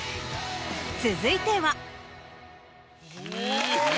続いては。